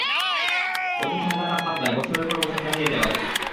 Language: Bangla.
অতি ঠান্ডা তাপমাত্রায়, বছরের পর বছর কাটিয়ে দেয়া যায়।